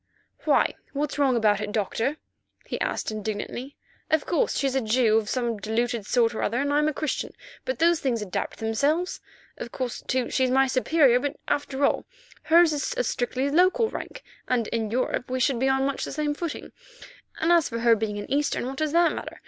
"Why? What's wrong about it, Doctor?" he asked indignantly. "Of course, she's a Jew of some diluted sort or other, and I'm a Christian; but those things adapt themselves. Of course, too, she's my superior, but after all hers is a strictly local rank, and in Europe we should be on much the same footing. As for her being an Eastern, what does that matter?